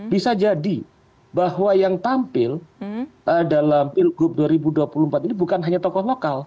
bisa jadi bahwa yang tampil dalam pilgub dua ribu dua puluh empat ini bukan hanya tokoh lokal